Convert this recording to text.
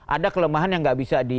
ada kelemahan yang nggak bisa di